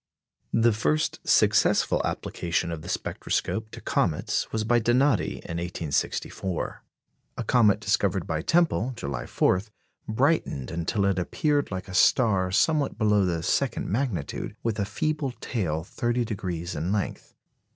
The first successful application of the spectroscope to comets was by Donati in 1864. A comet discovered by Tempel, July 4, brightened until it appeared like a star somewhat below the second magnitude, with a feeble tail 30° in length.